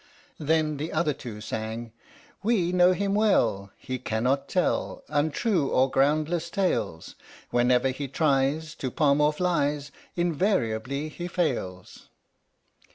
Then the other two sang: We know him well, He cannot tell Untrue or groundless tales Whenever he tries To palm off lies, Invariably he fails!